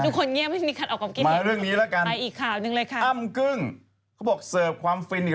ดูคนเยี่ยมไม่ต้องขัดออกของพี่นี่